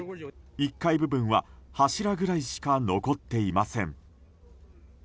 １階部分は柱ぐらいしか残っていません。